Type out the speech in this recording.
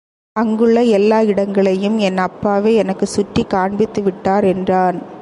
அங்குள்ள எல்லா இடங்களையும் என் அப்பாவே எனக்குச் சுற்றிக் காண்பித்து விட்டார், என்றான்.